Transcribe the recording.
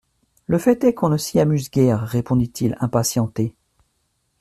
Le fait est qu'on ne s'y amuse guère, répondit-il, impatienté.